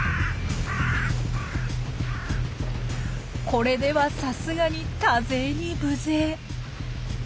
これではさすがに多勢に無勢。